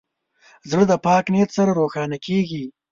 زړه د پاک نیت سره روښانه کېږي.